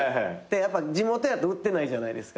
やっぱ地元やと売ってないじゃないですか。